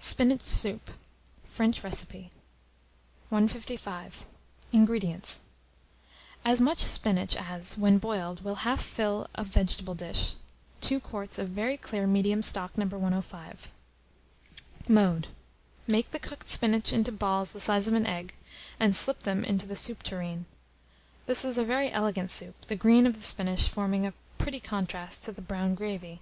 SPINACH SOUP (French Recipe). 155. INGREDIENTS. As much spinach as, when boiled, will half fill a vegetable dish, 2 quarts of very clear medium stock, No. 105. Mode. Make the cooked spinach into balls the size of an egg, and slip them into the soup tureen. This is a very elegant soup, the green of the spinach forming a pretty contrast to the brown gravy.